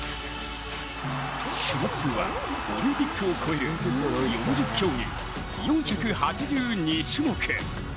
種目数はオリンピックを超える４０競技４８２種目。